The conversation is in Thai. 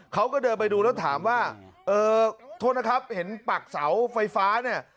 เขาก็เดินไปดูแล้วถามว่าเออโทษนะครับเห็นปักเสาไฟฟ้าเนี่ย